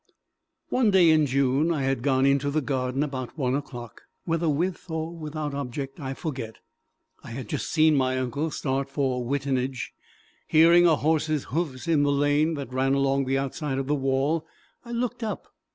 One day in June I had gone into the garden about one o'clock, whether with or without object I forget. I had just seen my uncle start for Wittenage. Hearing a horse's hoofs in the lane that ran along the outside of the wall, I looked up.